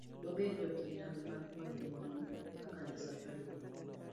Wabed jo kinda mar kwayo ng'uono kaka Nyasachwa dwaro.